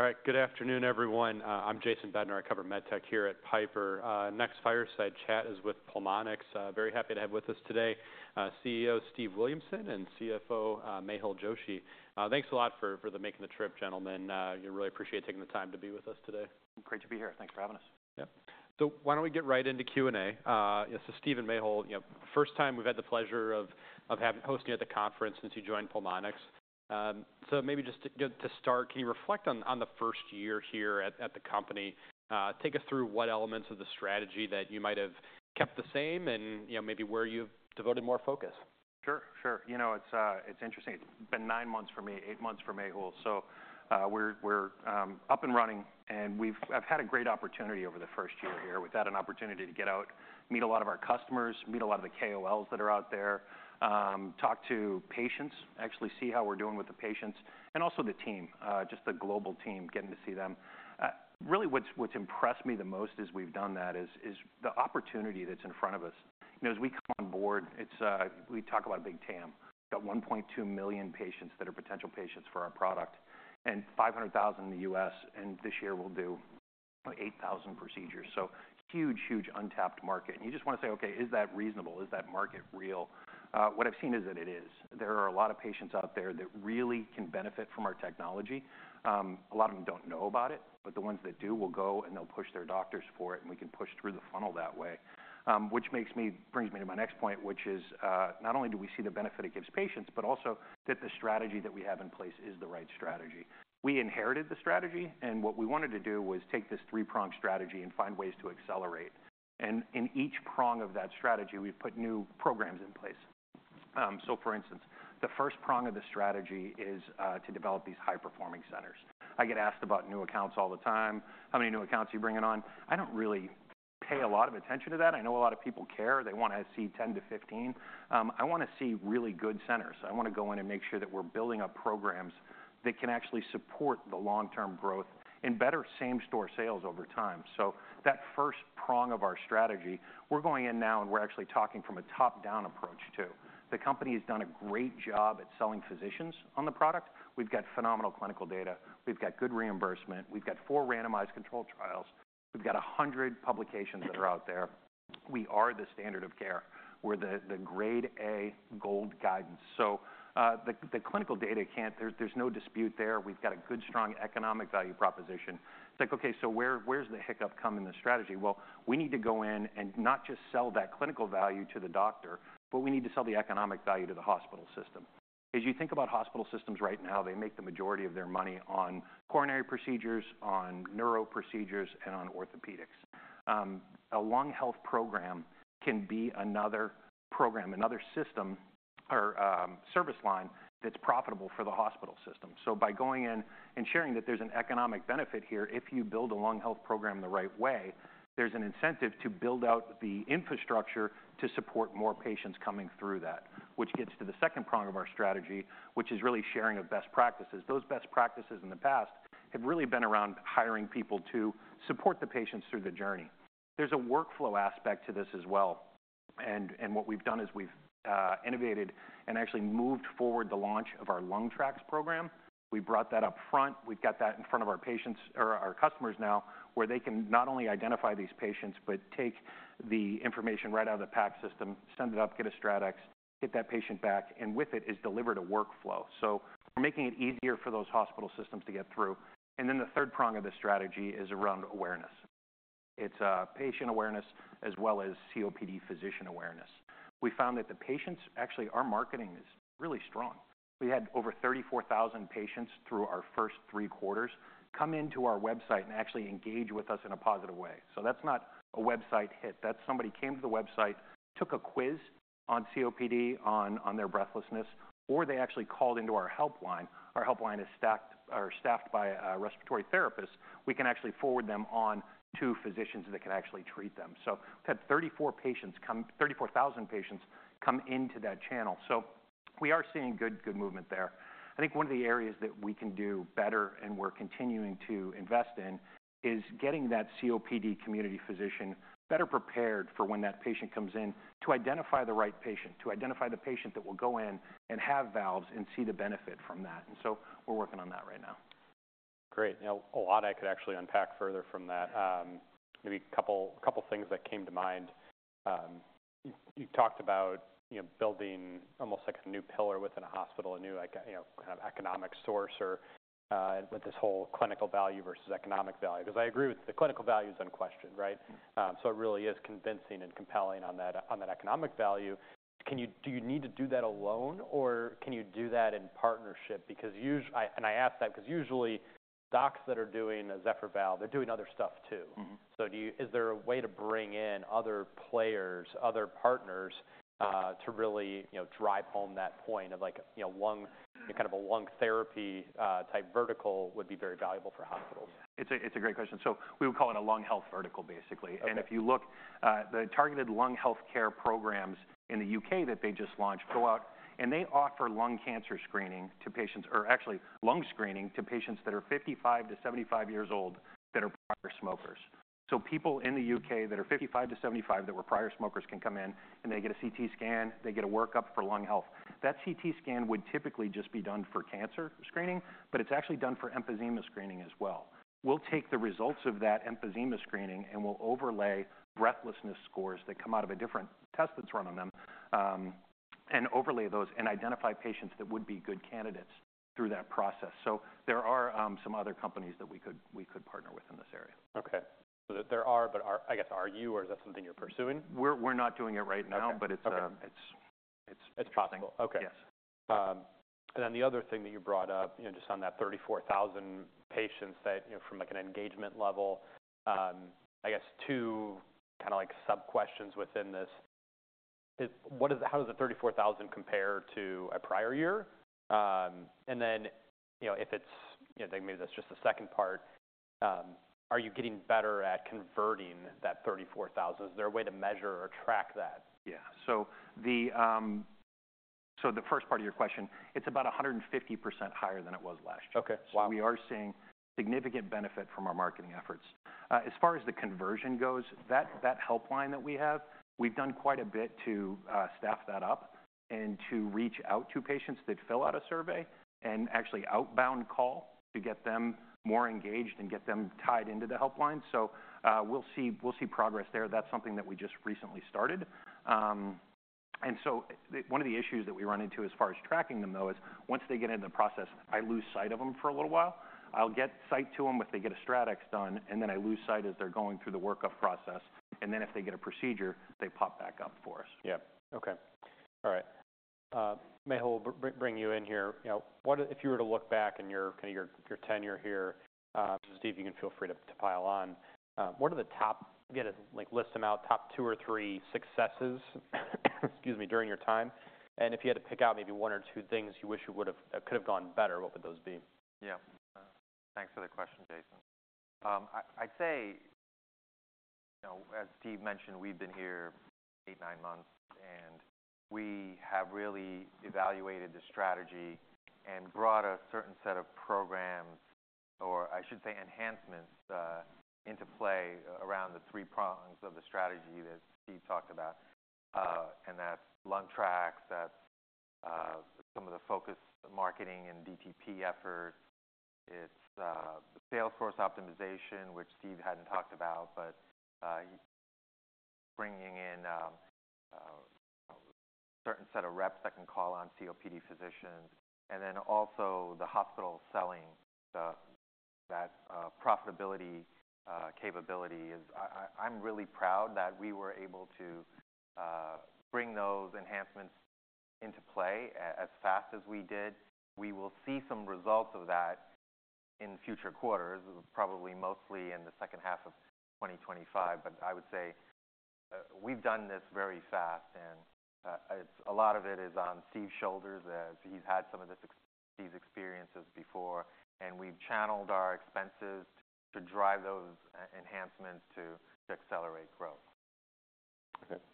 All right, good afternoon, everyone. I'm Jason Bednar. I cover med tech here at Piper. Next fireside chat is with Pulmonx. Very happy to have with us today CEO Steve Williamson and CFO Mehul Joshi. Thanks a lot for making the trip, gentlemen. I really appreciate taking the time to be with us today. Great to be here. Thanks for having us. Yeah. So why don't we get right into Q&A? So Steve and Mehul, first time we've had the pleasure of hosting at the conference since you joined Pulmonx. So maybe just to start, can you reflect on the first year here at the company? Take us through what elements of the strategy that you might have kept the same and maybe where you've devoted more focus? Sure, sure. You know, it's interesting. It's been nine months for me, eight months for Mehul. So we're up and running, and we've had a great opportunity over the first year here with that, an opportunity to get out, meet a lot of our customers, meet a lot of the KOLs that are out there, talk to patients, actually see how we're doing with the patients, and also the team, just the global team, getting to see them. Really, what's impressed me the most as we've done that is the opportunity that's in front of us. As we come on board, we talk about a big TAM. We've got 1.2 million patients that are potential patients for our product and 500,000 in the U.S., and this year we'll do 8,000 procedures. So huge, huge untapped market. And you just want to say, okay, is that reasonable? Is that market real? What I've seen is that it is. There are a lot of patients out there that really can benefit from our technology. A lot of them don't know about it, but the ones that do will go and they'll push their doctors for it, and we can push through the funnel that way, which brings me to my next point, which is not only do we see the benefit it gives patients, but also that the strategy that we have in place is the right strategy. We inherited the strategy, and what we wanted to do was take this three-pronged strategy and find ways to accelerate, and in each prong of that strategy, we've put new programs in place, so for instance, the first prong of the strategy is to develop these high-performing centers. I get asked about new accounts all the time. How many new accounts are you bringing on? I don't really pay a lot of attention to that. I know a lot of people care. They want to see 10-15. I want to see really good centers. I want to go in and make sure that we're building up programs that can actually support the long-term growth and better same-store sales over time. So that first prong of our strategy, we're going in now and we're actually talking from a top-down approach too. The company has done a great job at selling physicians on the product. We've got phenomenal clinical data. We've got good reimbursement. We've got four randomized control trials. We've got 100 publications that are out there. We are the standard of care. We're the grade A GOLD guidance. So the clinical data, there's no dispute there. We've got a good, strong economic value proposition. It's like, okay, so where's the hiccup come in the strategy? Well, we need to go in and not just sell that clinical value to the doctor, but we need to sell the economic value to the hospital system. As you think about hospital systems right now, they make the majority of their money on coronary procedures, on neuro procedures, and on orthopedics. A lung health program can be another program, another system or service line that's profitable for the hospital system. So by going in and sharing that there's an economic benefit here, if you build a lung health program the right way, there's an incentive to build out the infrastructure to support more patients coming through that, which gets to the second prong of our strategy, which is really sharing of best practices. Those best practices in the past have really been around hiring people to support the patients through the journey. There's a workflow aspect to this as well, and what we've done is we've innovated and actually moved forward the launch of our LungTraX program. We brought that up front. We've got that in front of our patients or our customers now, where they can not only identify these patients, but take the information right out of the PACS system, send it up, get a StratX, get that patient back, and with it is delivered a workflow. So we're making it easier for those hospital systems to get through, and then the third prong of the strategy is around awareness. It's patient awareness as well as COPD physician awareness. We found that the patients actually our marketing is really strong. We had over 34,000 patients through our first three quarters come into our website and actually engage with us in a positive way, so that's not a website hit. That's somebody came to the website, took a quiz on COPD, on their breathlessness, or they actually called into our helpline. Our helpline is staffed by respiratory therapists. We can actually forward them on to physicians that can actually treat them, so we've had 34,000 patients come into that channel, so we are seeing good movement there. I think one of the areas that we can do better and we're continuing to invest in is getting that COPD community physician better prepared for when that patient comes in to identify the right patient, to identify the patient that will go in and have valves and see the benefit from that, and so we're working on that right now. Great. Now, a lot I could actually unpack further from that. Maybe a couple of things that came to mind. You talked about building almost like a new pillar within a hospital, a new kind of economic source or with this whole clinical value versus economic value. Because I agree with the clinical value is unquestioned, right? So it really is convincing and compelling on that economic value. Do you need to do that alone or can you do that in partnership? And I ask that because usually docs that are doing a Zephyr valve, they're doing other stuff too. So is there a way to bring in other players, other partners to really drive home that point of kind of a lung therapy type vertical would be very valuable for hospitals? It's a great question, so we would call it a lung health vertical, basically. If you look, the targeted lung healthcare programs in the U.K. that they just launched go out and they offer lung cancer screening to patients or actually lung screening to patients that are 55-75 years old that are prior smokers. People in the U.K. that are 55-75 that were prior smokers can come in and they get a CT scan, they get a workup for lung health. That CT scan would typically just be done for cancer screening, but it's actually done for emphysema screening as well. We'll take the results of that emphysema screening and we'll overlay breathlessness scores that come out of a different test that's run on them and overlay those and identify patients that would be good candidates through that process. So there are some other companies that we could partner with in this area. Okay. So there are, but I guess are you or is that something you're pursuing? We're not doing it right now, but it's possible. Okay. And then the other thing that you brought up, just on that 34,000 patients from an engagement level, I guess two kind of sub-questions within this. How does the 34,000 compare to a prior year? And then if it's maybe that's just the second part, are you getting better at converting that 34,000? Is there a way to measure or track that? Yeah. So the first part of your question, it's about 150% higher than it was last year. So we are seeing significant benefit from our marketing efforts. As far as the conversion goes, that helpline that we have, we've done quite a bit to staff that up and to reach out to patients that fill out a survey and actually outbound call to get them more engaged and get them tied into the helpline. So we'll see progress there. That's something that we just recently started. And so one of the issues that we run into as far as tracking them though is once they get into the process, I lose sight of them for a little while. I'll get sight to them if they get a StratX done, and then I lose sight as they're going through the workup process. And then if they get a procedure, they pop back up for us. Mehul, bring you in here. If you were to look back in your tenure here, Steve, you can feel free to pile on. What are the top, if you had to list them out, top two or three successes, excuse me, during your time? And if you had to pick out maybe one or two things you wish you could have gone better, what would those be? Yeah. Thanks for the question, Jason. I'd say, as Steve mentioned, we've been here eight, nine months, and we have really evaluated the strategy and brought a certain set of programs, or I should say enhancements into play around the three prongs of the strategy that Steve talked about, and that's LungTraX, that's some of the focus marketing and DTP efforts. It's the sales force optimization, which Steve hadn't talked about, but bringing in a certain set of reps that can call on COPD physicians, and then also the hospital selling that profitability capability. I'm really proud that we were able to bring those enhancements into play as fast as we did. We will see some results of that in future quarters, probably mostly in the second half of 2025, but I would say we've done this very fast. A lot of it is on Steve's shoulders as he's had some of these experiences before, and we've channeled our expenses to drive those enhancements to accelerate growth.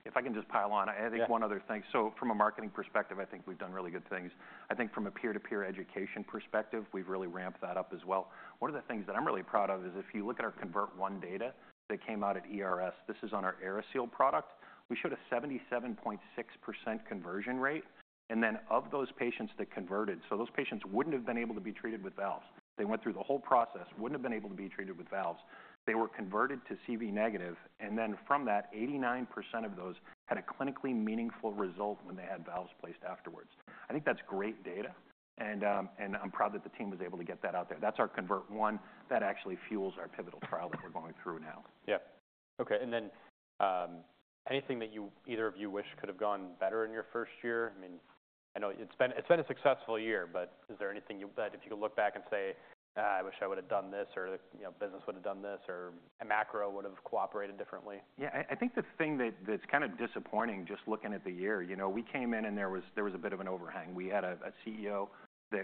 If I can just pile on, I think one other thing. So from a marketing perspective, I think we've done really good things. I think from a peer-to-peer education perspective, we've really ramped that up as well. One of the things that I'm really proud of is if you look at our CONVERT data that came out at ERS, this is on our AeriSeal product, we showed a 77.6% conversion rate, and then of those patients that converted, so those patients wouldn't have been able to be treated with valves. They went through the whole process, wouldn't have been able to be treated with valves. They were converted to CV negative, and then from that, 89% of those had a clinically meaningful result when they had valves placed afterwards. I think that's great data, and I'm proud that the team was able to get that out there. That's our CONVERT that actually fuels our pivotal trial that we're going through now. Yeah. Okay. And then anything that either of you wish could have gone better in your first year? I mean, I know it's been a successful year, but is there anything that if you could look back and say, "I wish I would have done this," or, "Business would have done this," or, "A macro would have cooperated differently"? Yeah. I think the thing that's kind of disappointing just looking at the year. We came in and there was a bit of an overhang. We had a CEO that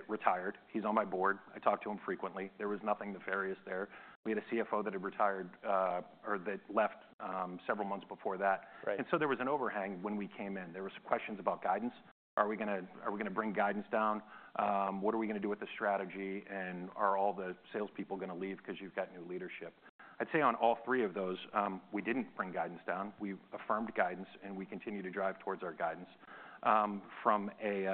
retired. He's on my board. I talk to him frequently. There was nothing nefarious there. We had a CFO that had retired or that left several months before that. And so there was an overhang when we came in. There were questions about guidance. Are we going to bring guidance down? What are we going to do with the strategy? And are all the salespeople going to leave because you've got new leadership? I'd say on all three of those, we didn't bring guidance down. We affirmed guidance, and we continue to drive towards our guidance. From a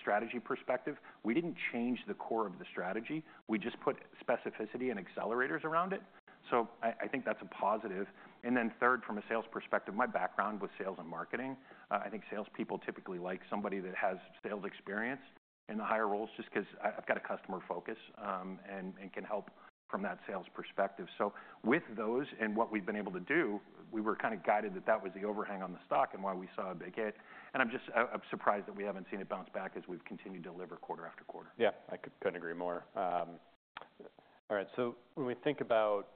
strategy perspective, we didn't change the core of the strategy. We just put specificity and accelerators around it. So I think that's a positive. And then third, from a sales perspective, my background was sales and marketing. I think salespeople typically like somebody that has sales experience in the higher roles just because I've got a customer focus and can help from that sales perspective. So with those and what we've been able to do, we were kind of guided that that was the overhang on the stock and why we saw a big hit. And I'm just surprised that we haven't seen it bounce back as we've continued to deliver quarter after quarter. Yeah. I couldn't agree more. All right. So when we think about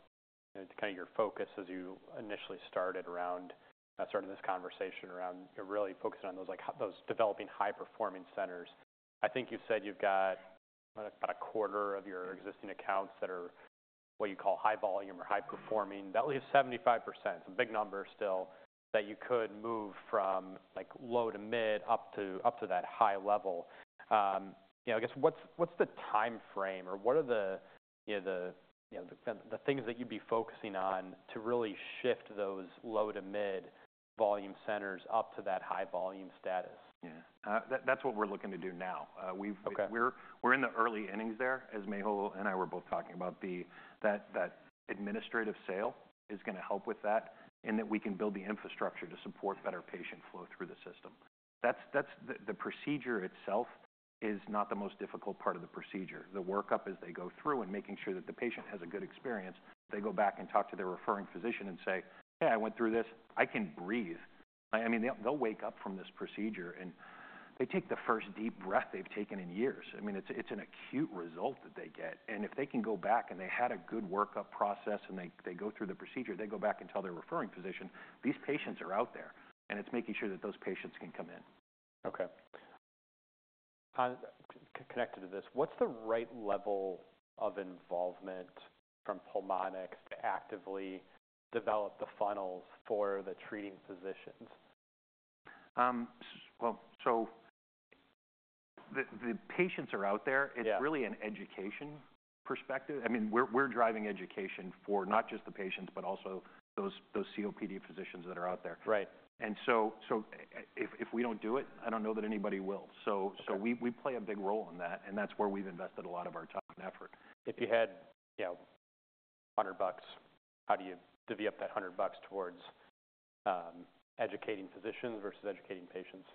kind of your focus as you initially started around starting this conversation around really focusing on those developing high-performing centers, I think you said you've got about a quarter of your existing accounts that are what you call high volume or high performing. That leaves 75%. It's a big number still that you could move from low to mid up to that high level. I guess what's the timeframe or what are the things that you'd be focusing on to really shift those low to mid volume centers up to that high volume status? Yeah. That's what we're looking to do now. We're in the early innings there, as Mehul and I were both talking about, that administrative sale is going to help with that and that we can build the infrastructure to support better patient flow through the system. The procedure itself is not the most difficult part of the procedure. The workup as they go through and making sure that the patient has a good experience, they go back and talk to their referring physician and say, "Hey, I went through this. I can breathe." I mean, they'll wake up from this procedure and they take the first deep breath they've taken in years. I mean, it's an acute result that they get. If they can go back and they had a good workup process and they go through the procedure, they go back and tell their referring physician, "These patients are out there," and it's making sure that those patients can come in. Okay. Connected to this, what's the right level of involvement from Pulmonx to actively develop the funnels for the treating physicians? So the patients are out there. It's really an education perspective. I mean, we're driving education for not just the patients, but also those COPD physicians that are out there. If we don't do it, I don't know that anybody will. We play a big role in that, and that's where we've invested a lot of our time and effort. If you had $100, how do you divvy up that $100 towards educating physicians versus educating patients?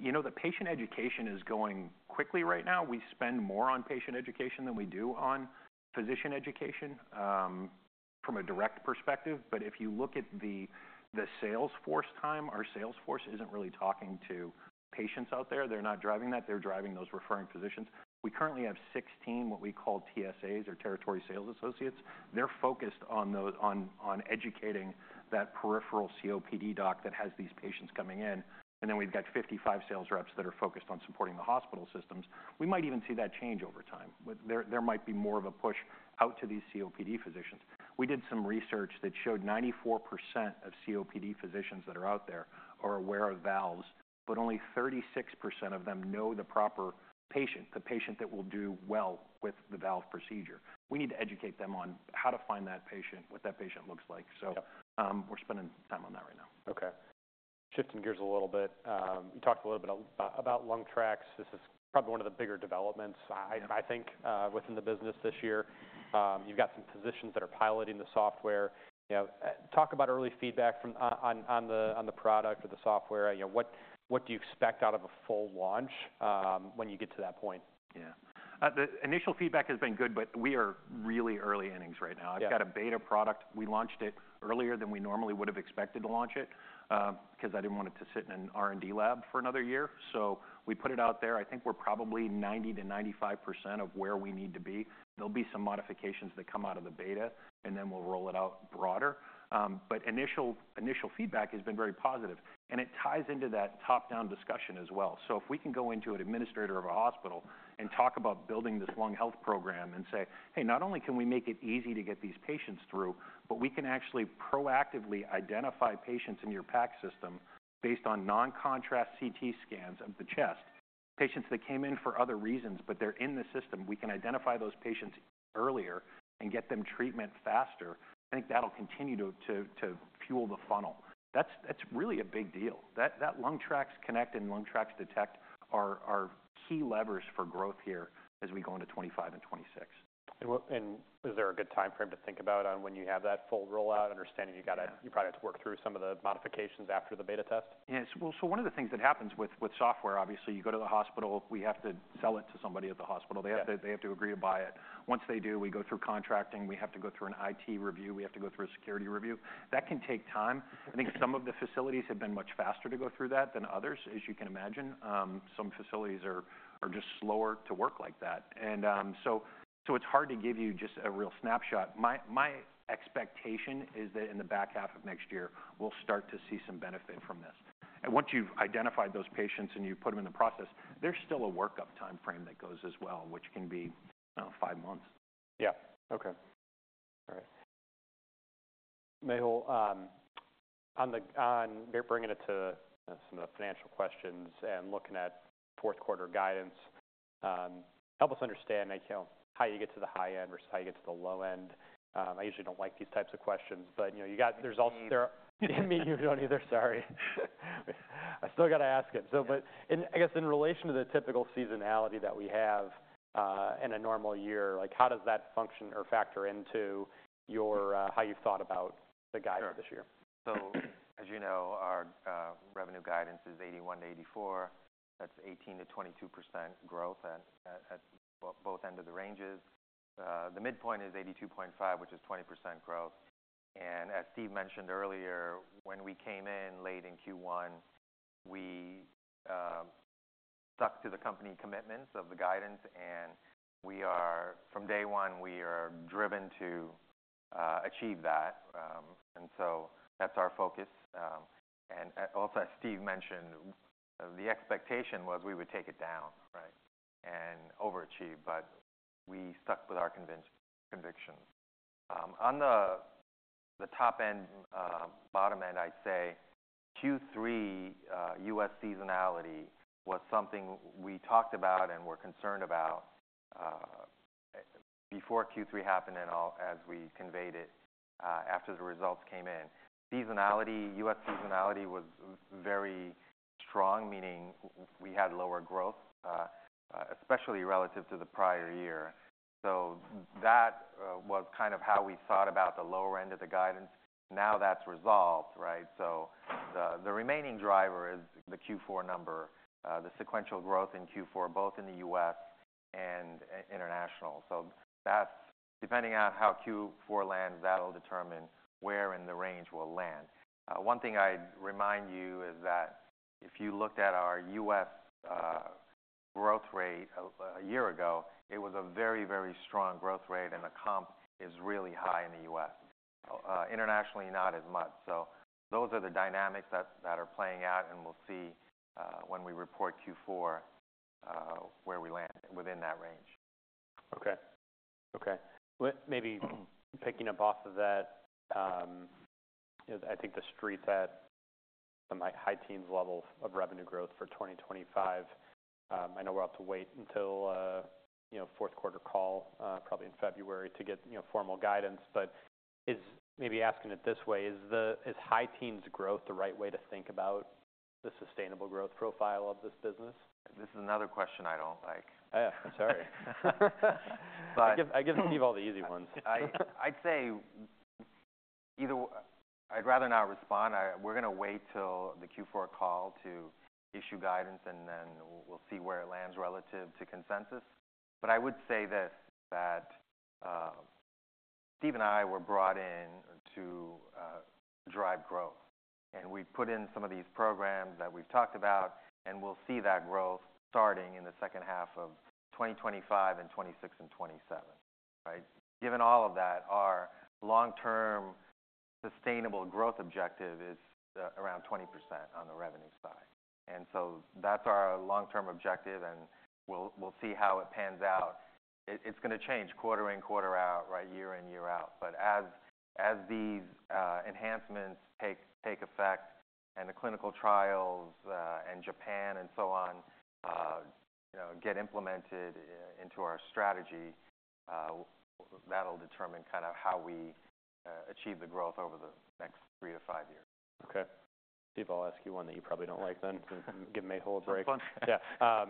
You know, the patient education is going quickly right now. We spend more on patient education than we do on physician education from a direct perspective. But if you look at the sales force time, our sales force isn't really talking to patients out there. They're not driving that. They're driving those referring physicians. We currently have 16 what we call TSAs or territory sales associates. They're focused on educating that peripheral COPD doc that has these patients coming in. And then we've got 55 sales reps that are focused on supporting the hospital systems. We might even see that change over time. There might be more of a push out to these COPD physicians. We did some research that showed 94% of COPD physicians that are out there are aware of valves, but only 36% of them know the proper patient, the patient that will do well with the valve procedure. We need to educate them on how to find that patient, what that patient looks like. So we're spending time on that right now. Okay. Shifting gears a little bit, you talked a little bit about LungTraX. This is probably one of the bigger developments, I think, within the business this year. You've got some physicians that are piloting the software. Talk about early feedback on the product or the software. What do you expect out of a full launch when you get to that point? Yeah. The initial feedback has been good, but we are really early innings right now. I've got a beta product. We launched it earlier than we normally would have expected to launch it because I didn't want it to sit in an R&D lab for another year. So we put it out there. I think we're probably 90%-95% of where we need to be. There'll be some modifications that come out of the beta, and then we'll roll it out broader. But initial feedback has been very positive, and it ties into that top-down discussion as well. So if we can go into an administrator of a hospital and talk about building this lung health program and say, "Hey, not only can we make it easy to get these patients through, but we can actually proactively identify patients in your PACS based on non-contrast CT scans of the chest, patients that came in for other reasons, but they're in the system, we can identify those patients earlier and get them treatment faster." I think that'll continue to fuel the funnel. That's really a big deal. That LungTraX Connect and LungTraX Detect are key levers for growth here as we go into 2025 and 2026. Is there a good timeframe to think about on when you have that full rollout, understanding you probably have to work through some of the modifications after the beta test? Yes. Well, so one of the things that happens with software, obviously, you go to the hospital, we have to sell it to somebody at the hospital. They have to agree to buy it. Once they do, we go through contracting. We have to go through an IT review. We have to go through a security review. That can take time. I think some of the facilities have been much faster to go through that than others, as you can imagine. Some facilities are just slower to work like that. And so it's hard to give you just a real snapshot. My expectation is that in the back half of next year, we'll start to see some benefit from this. And once you've identified those patients and you put them in the process, there's still a workup timeframe that goes as well, which can be five months. Yeah. Okay. All right. Mehul, on bringing it to some of the financial questions and looking at fourth quarter guidance, help us understand how you get to the high end versus how you get to the low end. I usually don't like these types of questions, but you gotta, there's also, I mean you don't either. Sorry. I still got to ask it. I guess in relation to the typical seasonality that we have in a normal year, how does that function or factor into how you've thought about the guidance this year? As you know, our revenue guidance is $81-$84. That's 18%-22% growth at both ends of the ranges. The midpoint is $82.5, which is 20% growth. And as Steve mentioned earlier, when we came in late in Q1, we stuck to the company commitments of the guidance. And from day one, we are driven to achieve that. And so that's our focus. And also, as Steve mentioned, the expectation was we would take it down, right, and overachieve, but we stuck with our conviction. On the top end, bottom end, I'd say Q3 U.S. seasonality was something we talked about and were concerned about before Q3 happened and as we conveyed it after the results came in. Seasonality, U.S. seasonality was very strong, meaning we had lower growth, especially relative to the prior year. So that was kind of how we thought about the lower end of the guidance. Now that's resolved, right? So the remaining driver is the Q4 number, the sequential growth in Q4, both in the U.S. and international. So depending on how Q4 lands, that'll determine where in the range we'll land. One thing I'd remind you is that if you looked at our U.S. growth rate a year ago, it was a very, very strong growth rate, and the comp is really high in the U.S. Internationally, not as much. So those are the dynamics that are playing out, and we'll see when we report Q4 where we land within that range. Okay. Okay. Maybe picking up off of that, I think the Street's high-teens level of revenue growth for 2025. I know we'll have to wait until fourth quarter call probably in February to get formal guidance. But maybe asking it this way, is high-teens growth the right way to think about the sustainable growth profile of this business? This is another question I don't like. Oh, yeah. Sorry. I give Steve all the easy ones. I'd say either I'd rather not respond. We're going to wait till the Q4 call to issue guidance, and then we'll see where it lands relative to consensus. But I would say this: that Steve and I were brought in to drive growth, and we put in some of these programs that we've talked about, and we'll see that growth starting in the second half of 2025 and 2026 and 2027, right? Given all of that, our long-term sustainable growth objective is around 20% on the revenue side. And so that's our long-term objective, and we'll see how it pans out. It's going to change quarter in, quarter out, right, year in, year out. But as these enhancements take effect and the clinical trials in Japan and so on get implemented into our strategy, that'll determine kind of how we achieve the growth over the next three to five years. Okay. Steve, I'll ask you one that you probably don't like then. Give Mehul a break. That's fun. Yeah.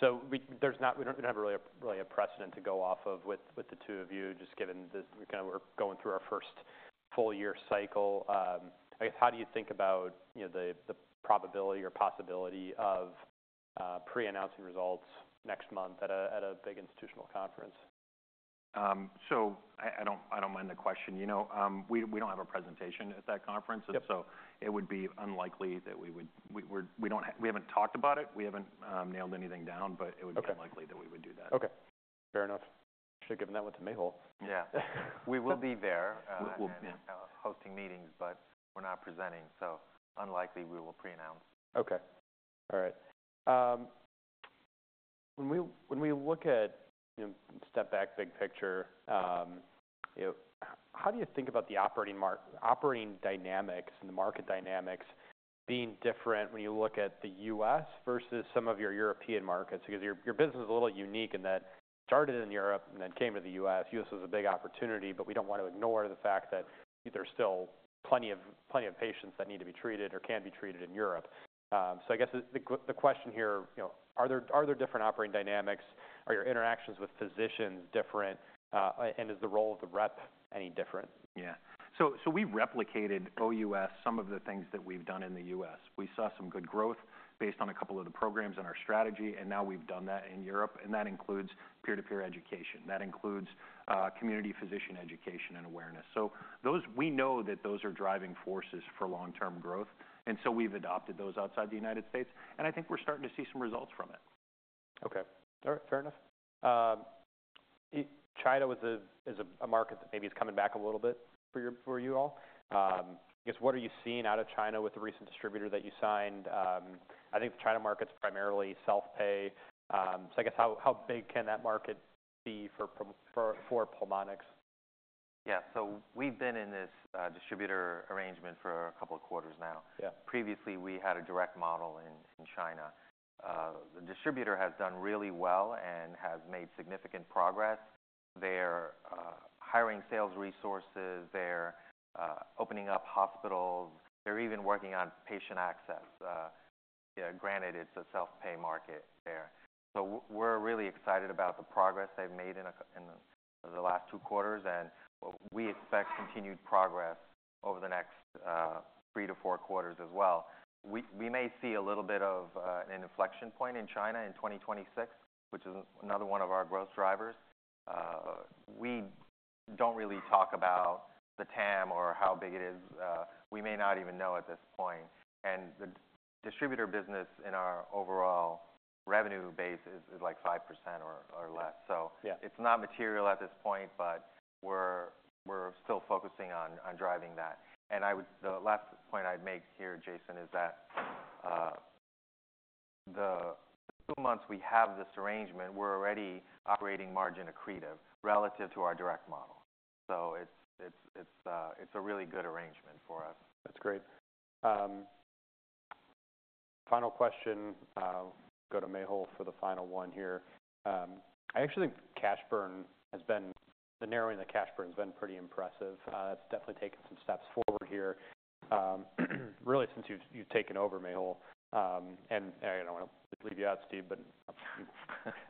So there's not really a precedent to go off of with the two of you, just given we're going through our first full year cycle. I guess, how do you think about the probability or possibility of pre-announcing results next month at a big institutional conference? I don't mind the question. We don't have a presentation at that conference, so it would be unlikely that we would. We haven't talked about it. We haven't nailed anything down, but it would be unlikely that we would do that. Okay. Fair enough. Should have given that one to Mehul. Yeah. We will be there hosting meetings, but we're not presenting. So unlikely we will pre-announce. Okay. All right. When we look at step back, big picture, how do you think about the operating dynamics and the market dynamics being different when you look at the U.S. versus some of your European markets? Because your business is a little unique in that it started in Europe and then came to the U.S. U.S. was a big opportunity, but we don't want to ignore the fact that there's still plenty of patients that need to be treated or can be treated in Europe. So I guess the question here, are there different operating dynamics? Are your interactions with physicians different? And is the role of the rep any different? Yeah. So we replicated OUS, some of the things that we've done in the U.S. We saw some good growth based on a couple of the programs in our strategy, and now we've done that in Europe. And that includes peer-to-peer education. That includes community physician education and awareness. So we know that those are driving forces for long-term growth. And so we've adopted those outside the United States. And I think we're starting to see some results from it. Okay. All right. Fair enough. China is a market that maybe is coming back a little bit for you all. I guess, what are you seeing out of China with the recent distributor that you signed? I think the China market's primarily self-pay. So I guess, how big can that market be for Pulmonx? Yeah. So we've been in this distributor arrangement for a couple of quarters now. Previously, we had a direct model in China. The distributor has done really well and has made significant progress. They're hiring sales resources. They're opening up hospitals. They're even working on patient access. Granted, it's a self-pay market there. So we're really excited about the progress they've made in the last two quarters. And we expect continued progress over the next three to four quarters as well. We may see a little bit of an inflection point in China in 2026, which is another one of our growth drivers. We don't really talk about the TAM or how big it is. We may not even know at this point. And the distributor business in our overall revenue base is like 5% or less. So it's not material at this point, but we're still focusing on driving that. And the last point I'd make here, Jason, is that the two months we have this arrangement, we're already operating margin accretive relative to our direct model. So it's a really good arrangement for us. That's great. Final question. Go to Mehul for the final one here. I actually think cash burn has been, the narrowing of the cash burn has been pretty impressive. That's definitely taken some steps forward here, really, since you've taken over, Mehul. And I don't want to leave you out, Steve, but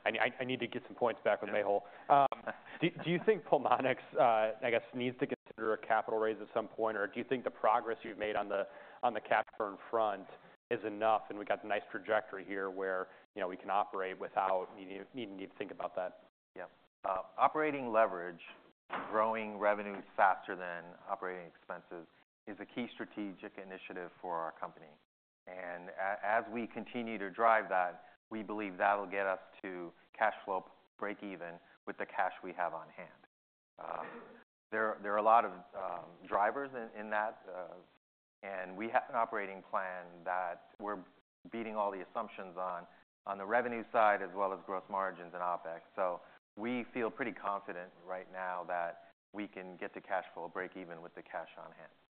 I need to get some points back with Mehul. Do you think Pulmonx, I guess, needs to consider a capital raise at some point? Or do you think the progress you've made on the cash burn front is enough? And we've got a nice trajectory here where we can operate without needing to think about that. Yeah. Operating leverage, growing revenues faster than operating expenses, is a key strategic initiative for our company, and as we continue to drive that, we believe that'll get us to cash flow break even with the cash we have on hand. There are a lot of drivers in that, and we have an operating plan that we're beating all the assumptions on, on the revenue side as well as gross margins and OpEx, so we feel pretty confident right now that we can get to cash flow break even with the cash on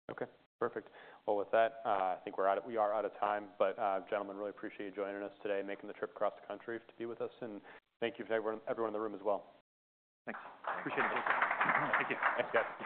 hand. Okay. Perfect. Well, with that, I think we are out of time, but gentlemen, really appreciate you joining us today, making the trip across the country to be with us, and thank you to everyone in the room as well. Thanks. Appreciate it, Jason. Thank you. Thanks, guys.